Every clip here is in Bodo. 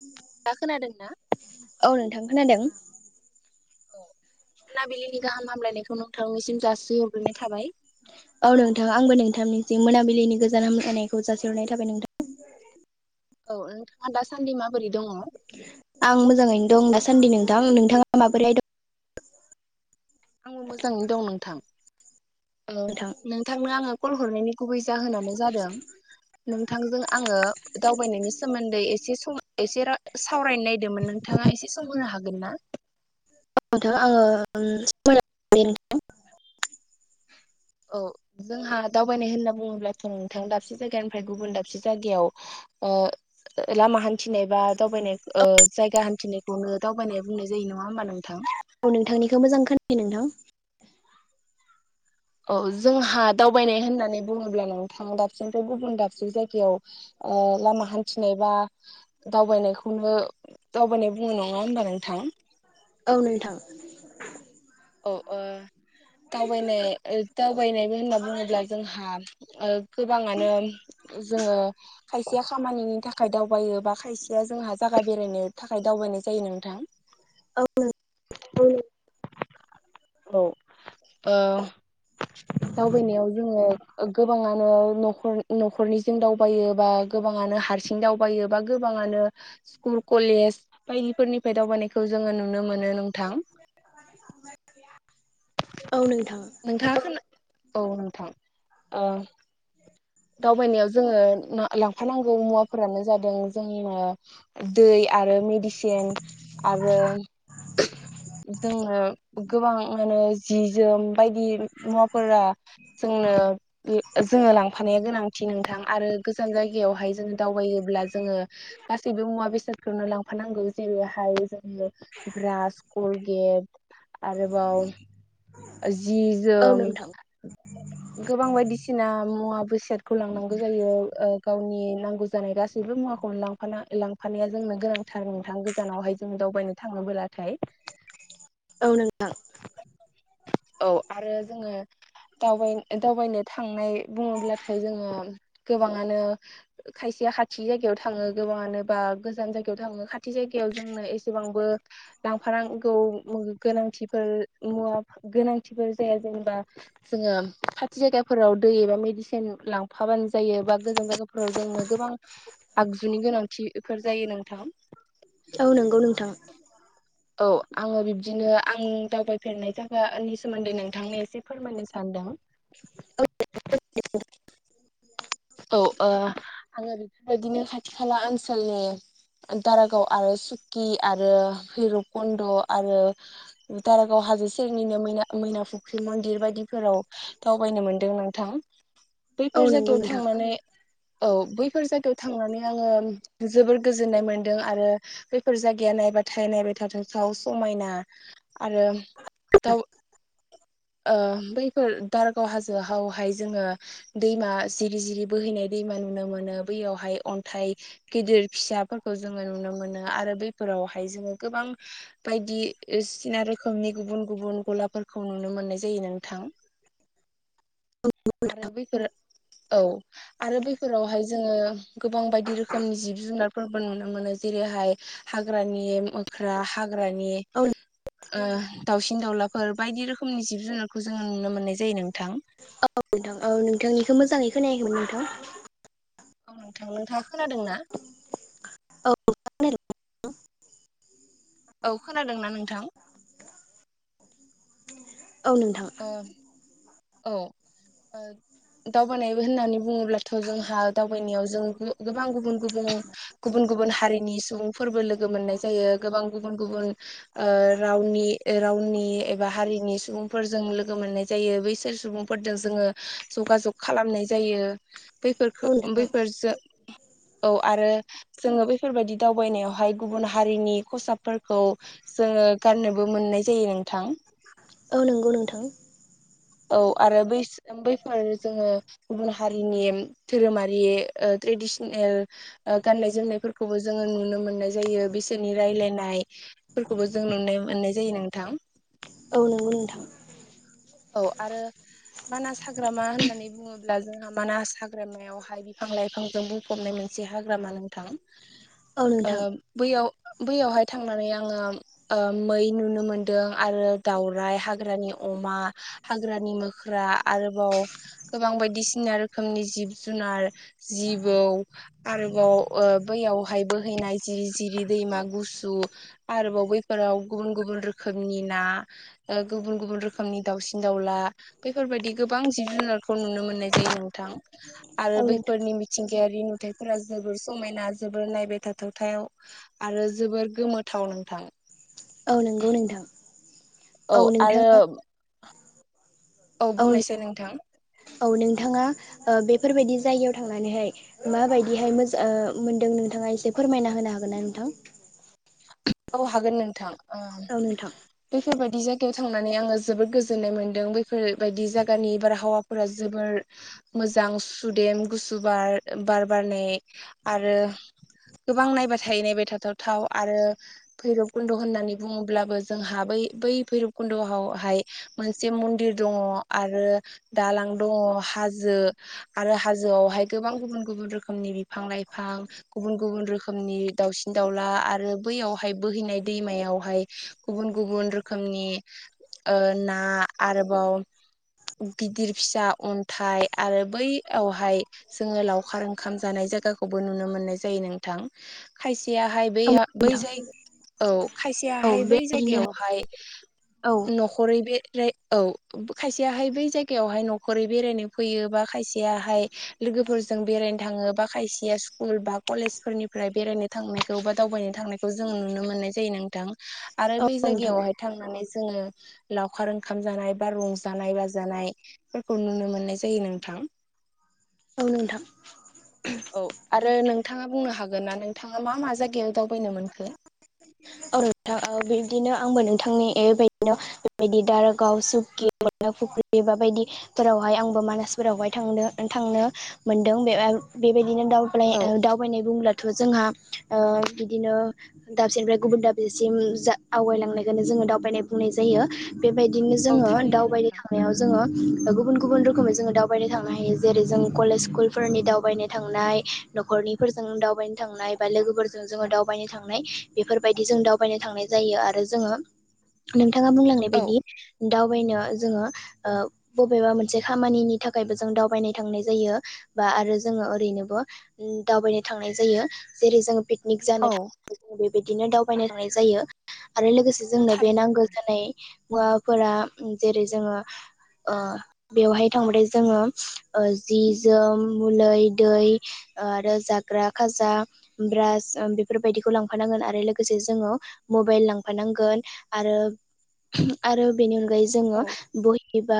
उ [unintelligible] दा खोनादों ना औ नोंथां खोनादों औ मोनाबिलिनि गाहाम हामलायनायखौ नोंथांनिसिम जासिहरग्रोनाय थाबाय औ नोंथां आंबो नोंथांनि जि मोनाबिलिनि गोजोन हामलायनायखौ जासिहरनाय थाबाय नोंथां। औ नोंथाङा दासान्दि माबोरै दङ आं मोजाङैनो दं दासान्दि नोंथां नोंथाङा माबोरैहाय दं? आंबो मोजाङैनो दं नोंथां। नोंथां? नोंथांनो आङो कल हरनायनि गुबै जाहोनानो जादों नोंथांजों आङो दावबायनायनि सोमोन्दै एसे सम एसे सावरायनो नायदोंमोन नोंथाङा एसे सम होनो हागोन ना नोंथां आङो [unintelligible] बे [inaudible] औ जोंहा दावबायनाय होनना बुङोब्लाथ' नोंथां दाबसे जायगानिफ्राय गुबुन दाबसे जायगायाव ओ लामा हान्थिनाय बा दावबायनाय जायगा हान्थिनायखौनो दावबायनाय बुंनाय जायो नङा होमबा नोंथां औ नोंथांनिखौ मोजां खोनायाखौय नोंथां औ जोंहा दावबायनाय होननानै बुङोब्ला नोंथां दाबसेनिफ्राय गुबुन दाबसे जायगायाव ओ लामा हान्थिनाय बा दावबायनाय खौनो दावबायनाय बुङा नङा होनबा नोंथां औ नोंथां औओ दावबायनाय दावबायनाय होनना बुङोब्ला जोंहा गोबाङानो जोङो खायसेया खामानिनि थाखाय थाखाय दावबायो बा खायसेया जोंहा जायागा बेरायनो थाखाय दावबायनाय जायो नोंथां। [unintelligible] [inaudible] औ ओ दावबायनायाव जोङो गोबाङानो नखर न'खरनिजोंं दावबायो बा गोबाङानो हारसिं दाव बायोबा गोबाङानो स्कुल कलेज बायदिफोरनिफ्राय दावबायनायखौ जोङो नुनो मोनो नोंथां औ नोंथां नोंथाङा खो औ नोंथां दावबायनायाव जोङो लांफानांगौ मुवाफोरानो जादों जोंनिनो दै आरो मेडिसिन आरो [inaudible] जोङो गोबां मानो जि जोम बायदि मुवाफोरा जोंनो जोङो लांफानाया गोनां नोंथां आरो गोजान जायगायावहाय जोङो दावबायोब्ला जोङो गासैबो मुवा बेसाद खौनो लांफानांगौ जेरैहाय जोङो ब्रास कलगेट आरोबाव जि औ जोम नोंथां गोबां बायदिसिना मुवा बेस खौ लांनांगौ जायो गावनि नांगौ जानाय गासैबो मुवाखौनो लांफानाया जोंनो गोनांथार नोंथां गोजानावहाय जों दावबायनो थाङोबोलाथाय औ नोंथां। औ आरो जोङो दावबाय दावबायनो थांनाय बुङोब्लाथाय जोङो गोबाङानो खायसेया खाथि जायगायाव थाङो गोबाङानो बा गोजान जायगायाव थाङो खाथि जायगायाव जोंनो एसेबांबो लांफानांगौ गोनांथिफोर मुवा गोनांथिफोर जाया जेनेबा। जोङो खाथि जायगाफोराव दै एबा मेडिसिन लांफाबानो जायो बा गोजान जायगा फोराव जोंनो गोबां आगजुनि गोनांथिफोर जायो नोंथां। औ नंगौ नोंथां। औ आङो बिब्दिनो आं दावबायफेरनाय जाय गा नि सोमोन्दै नोंथांनो एसे फोरमायनो सान्दों। [unintelligible] औ ओ आङो बेफोरबायदिनो खाथि खाला ओनसोलनि दारागाव आरो सु कि आरो भैरब कुन्द आरो दारागाव हाजो फोरनिनो मैना मैना फुख्रि मन्दिर बायदिफोराव दावबायनो मोनदों नोंथां। औ बैफोर नंगौ जायगायाव नोंथां औ नोंथां थांनानै औ बैफोर जायगायाव थांनानै आङो जोबोर गोजोननाय मोनदों आरो बेफोर जायगाया नायबाथाय नायबाय थाथाव थाव समायना। आरो दाउ ओ बैफोर दारगाव हाजोआवहाय जोङो दैमा जिरि जिरि बोहैनाय दैमा नुनो मोनो बैयावहाय अन्थाइ गिदिर फिसाफोरखौ जोङो नुनो मोनो आरो बैफोरावहाय जोङो गोबां बायदि सिना रोखोमनि गुबुन गुबुन गलाफोरखौ नुनो मोननाय जायो नोंथां। [unintelligible] आरो बैफोरो औ। आरो बैफोरावहाय जोङो गोबां बायदि रोखोमनि जिब जुनारफोरबो नुनो मोनो जेरैहाय हाग्रानि मोख्रा हाग्रानि ओ दाउसिन दाउलाफोर बायदि रोखोमनि जिब जुनारखौ जोङो नुनो मोननाय जायो नोंथां। औ नोंथां औ नोंथांनिखौ मोजाङै खोनायैमोन नोंथां। औ नोंथां नोंथाङा खोनादों ना? [unintelligible] औ खोनादोंना नोंथां? औ नोंथां। ओ औ। ओ दावबानाय होननानै बुङोब्लाथ' जोंहा दावबायनायाव जों गोबां गुबुन गुबुन गुबुन गुबुन हारिनि सुबुं फोरबो लोगो मोननाय जायो गोबां गुबुन गुबुन ओ रावनि ओ रावनि बा हारिनि सुबुं लोगो मोननाय जायो बैसोर सुबुंफोरजों जोङो जग जग खालामनाय जायो। बैफोरखो औ बैफोरजों औ आरो जोङो बैफोरबायदि दावबायनायावहाय गुबुन हारिनि खसाबफोर खौ जोङो गाननोबो मोननाय जायो नोंथां। औ नंगौ नोंथां। औ आरो बै बैफोर जोङो गुबुन हारिनि धोरोमारि ओ ट्रेडिसिनेल ओ गाननाय जोमनायफोरखौबो जोङो नुनो मोननाय जायो बिसोरनि रायलायनाय फोरखौबो जों नुनाय मोननाय जायो नोंथां। औ नंगौ नोंथां। औ आरो मानास हाग्रामा होननानै बुङोब्ला जोंहा मानास हाग्रामायावहाय बिफां लाइफां जों बुं फबनाय मोनसे हाग्रामा नोंथां। [unintelligible] ओ बैयाव बैयावहाय थांनानै आङो। ओ मै नुनो मोनदों आरो दाउराइ हाग्रानि अमा। हाग्रानि मोख्रा आरोबाव। गोबां बायदिसिना रोखोमनि जिब जुनार जिबौ आरोबाव ओ बैयावहायबो। हैैनाय जिरि जिरि दैमा गुसु। आरोबाव बैफोराव गुबुन गुबुन रोखोमनि ना ओ गुबुन गुबुन रोखोमनि। दाउसिन दाउला बेफोरबायदि गोबां जिब जुनारखौ नुनो मोननाय जायो नों। थां आरो औ नोंथां बैफोरनि। मिथिंगायारि नुथायफोरा जोबोर समायना जोबोर नायबाय थाथावथायाव। आरो जोबोर गोमोथाव नोंथां। औ नंगौ नोंथां। औ आरो। औ बुंनायसै नोंथां औ नोंथाङा ओ बेफोरबायदि जायगायाव थांनानैहाय। माबायदिहाय मोजां ओ मोन्दों नोंथाङा एसे फोरमायना होनो हागोन ना नोंथां। औ हागोन नोंथां ओ। औ नोंथां। बेफोरबायदि जायगायाव थांनानै आङो जोबोद गोजोन्नाय मोन्दों बेफोरबायदि जायगानि बारहावा। फोर जोबोर। मोजां सुदेम गुसु बार बार बारनायै आरो गोबां नायबाय थायो नायबाय थाथाव थाव आरो। भैरब खुन्द' होननानै बुङोब्लाबो जोंहा बै बै भैरब खुन्द'आवहाय। मोनसे मन्दिर दङ' आरो दालां दङ' हाजो। आरो हाजोआवहाय गोबां गुबुन गुबुन रोखोमनि बिफां लाइफां। गुबुन गुबुन रोखोमनि दाउसिन दाउला आरो। बैयावहाय बोहैनाय दैमायावहाय गुबुन गुबुन रोखोमनि। ओ ना आरोबाव। गिदिर फिसा अन्थाइ आरो बैयावहाय। जोङो लावखार ओंखाम जानाय जायगाखौबो नुनो मोननाय जायो नोंथां खायसेयाहाय बै। औ बै नोंथां जाय औ औ खायसेयाहाय बै बेबायदिनो जायगायावहाय औ न'खरै बे। औ खायसेयाहाय बै जायगायावहाय न'खरै बेरायनो फैयो बा खायसेयाहाय लोगोफोरजों बेरायनो थाङो बा खायसेया स्कुल बा कलेज फोरनिफ्राय बेरायनो थांनायखौ बा दावबायनो। थांनायखौ जों नुनो मोननाय जायो नोंथां आरो औ बै नोंथां जायगायावहाय। थांनानै जोङो लावखार ओंखाम जानाय बा रंजानाय बाजानाय। फोरखौ नुनो मोननाय जायो नोंथां। औ नोंथां। औ आरो नोंथाङा बुंनो हागोन ना नोंथाङा मा मा जायगायाव दावबायनो मोनखो। [inaudible] औ नोंथां औ बिदिनो आंबो नोंथांनि ए बेबायदिनो बेबायदि दारागाव सुखि फुख्रि बा बायदि। फोरावहाय आंबो मानासफोरावहाय थांदों थांनो मोनदों बे बेबायदिनो दाउ औ ओ दावबायनाय बुङोब्लाथ' जोंहा ओ बिदिनो। दाबसेनिफ्राय गुबुन दाबसेसिम जा आवगायलांनायखौनो जोङो दावबायनाय बुंनाय जायो। बेबायदिनो औ जोङो थारैनो दावबायनो नोंथां थांनायाव। जोङो गुबुन गुबुन रोखोमै जोङो दावबायनो थांनो हायो जेरै जों कलेज स्कुलफोरनि दावबायनो थांनाय। न'खरनिफोरजों दावबायनो थांनाय बा लोगोफोरजों जोङो दावबायनो थांनाय। बेफोरबायदि जों दावबायनो थांनाय जायो आरो जोङो नोंथाङा बुंलांनाय औ बायदि दावबायनो जोङो। ओ बबेबा मोनसे खामानिनि थाखायबो जों दावबायनो थांनाय जायो। बा आरो जोङो ओरैनोबो दावबायनो थांनाय जायो जेरै जोङो पिकनिक औ जानो थाख बिदिनो दावबायनो थांनाय जायो आरो लोगोसे औ जोंनो बे थारैनो नांगौ नोंथां जानाय मुवाफोरा जेरै जोङो ओ बेवहाय थांबाथाय जोङो ओ जि जोम मुलै दै ओ आरो जाग्रा खाजा ब्रास बेफोरबायदिखौ लां लांफानांगोन आरो लोगोसे जोङो मबाइल लांफानांगोन आरो आरो बिनि अ [unintelligible] जोङो औ बहि एबा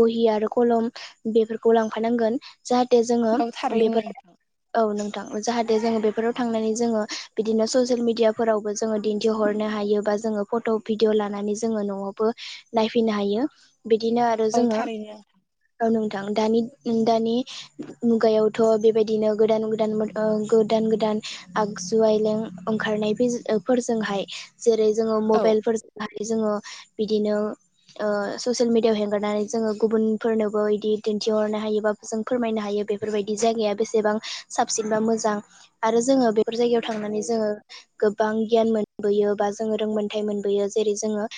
बहि आरो कलम बेफोरखौ लांफानांगोन। जाहाथे जोङो औ थारैनो बेफोर नोंथां औ नोंथां जाहाथे जोङो बेफोराव थांनानै जोङो बिदिनो ससियेल मिडियाफोरावबो जोङो दिन्थिहरनो हायो बा जोङो फट' भिडिअ लानानै जोङो न'आवबो नायफैनो हायो बिदिनो आरो औ जोङो थारैनो ओं नोंथां दानि दानि मुगायावथ' बेबायदिनो गोदान गोदान ओ गोदान गोदान आगजु आइलें ओंखारनाय [unintelligible] फोरजोंहाय जेरै जोङो औ मबाइलफोर जोङो बिदिनो ओ ससियेल मिडियाव हेंगारनानै जोङो गुबुनफोरनोबो इदि दिन्थिहरनो हायोबा जों फोरमायनो हायो बेफोरबायदि जायगाया बेसेबां साबसिन बा मोजां आरो जोङो बेफोर जायगायाव थांनानै जोङो गोबां गियान मोनबोयो बा जोङो रोंमोनथायाइ मोनबोयो जेरै जोङो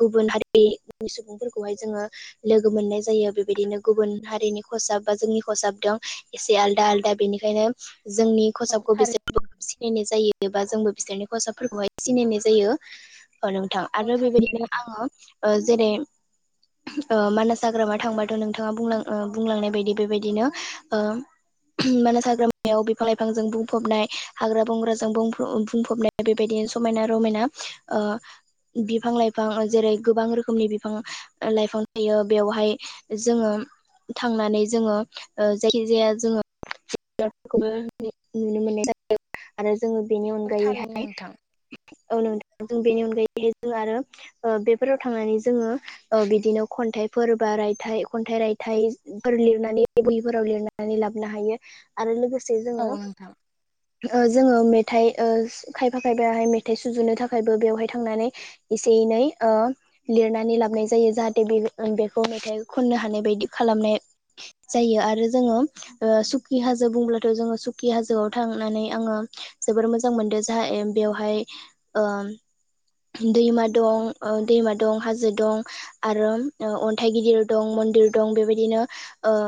गुबुन हारि नि सुबुंफोरखौहाय जोङो लोगो मोननाय जायो बेबायदिनो गुबुन हारिनि खसाब बा जोंनि खसाब दं एसे आलदा आलदा बेनिखायनो जोंनि औ खसाबखौ थारैनो बिसोर सिनायनाय जायो [unintelligible] बा जोंबो बिसोरनि खसाबफोरखौहाय सिनायनाय जायो ओ नोंथां औ आरो थारैनो बेबायदिनो नोंथां आङो ओ जेरै ओ मानास हाग्रामा थांबाथ' नोंथाङा बुं बुंलांनाय बायदि बेबायदिनो ओ मानास हाग्रामायाव बिफां लाइफांजों बुंफबनाय हाग्रा बंग्रााज जों बुंफो बुंफबनाय बेबायदिनो समायना रमायना ओ बिफां लाइफां जेरै गोबां रोखोमनि बिफां लाइफां थायो बेवहाय जोङो थांनानै जोङो ओ जायखि जाया जोङो [unintelligible] नुनो मोन [unintelligible] जोङो बेनि औ थारैनो अनगायैहाय नोंथां औ नोंथां जों बेनि अनगायैहाय जों आरो ओ बेफोराव थांनानै जोङो ओ बिदिनो खन्थाइफोर बा रायथाइ खन्थाइ रायथाइफोर लिरनानै बोहिफोराव लिरनानै नानै लाबोनो हायो आरो लोगोसे औ जोङो नोंथां ओ जोङो ओ मेथाइ खायफा खायफाहाय मेथाइ सुजुनो थाखायबो बेवहाय थांनानै एसे एनै ओ लिरनानै लाबनाय जायो जाहाथे बे बेखौ मेथाइ खननो हानाय बायदि खालामनाय जायो आरो जोङो ओ सुखि हाजो बुंब्लाथ' जोङो सुखि हाजोआव थांनानै आङो जोबोर मोजां मोनदों जोंहा बेवहाय ओम दैमा दं ओ दैमा दं हाजो दं आरो ओ अन्थाइ गिदिर दं मन्दिर दं बेबायदिनो ओ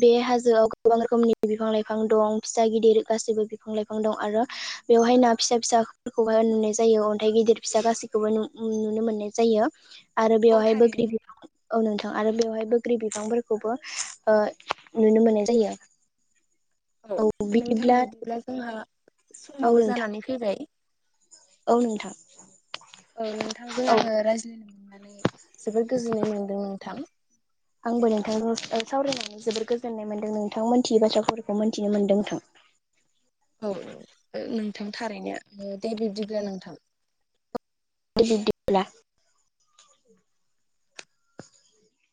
बे हाजोआव गोबां रोखोमनि बिफां लाइफां दं फिसा गिदिर गासैबो बिफां लाइफां दं आरो बेवहाय ना फिसा फिसाफोरखौहाय नुनाय जायो अन्थाइ गिदिर फिसा गासि [unintelligible] [unintelligible] नुनो मोननाय जायो आरो औ बेवहाय बोग्रि थारैनो बि औ नोंथां आरो बेवहाय बोग्रि बिफांफोरखौबो ओ नुनो मोननाय जायो औ नोंथां बिदिब्ला जोंहा औ समाबो नोंथां जानानै फैबाय औ नोंथां औ नोंथांजों औ आङो रायज्लायनो मोननानै जोबोद गोजोननाय मोनदों नोंथां आंबो नोंथांजों सावरायनानै जोबोर गोजोननाय मोन्दों नोंथां मोनथियै बाथ्राफोरखौ मोनथिनो मोन्दों नोंथां औ ओ नोंथां थारैनो दे बिब्दिब्ला नोंथां। दे बिबदिब्ला